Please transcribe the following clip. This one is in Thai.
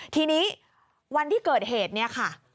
ทีนี้วันที่เกิดเหตุเนี่ยค่ะ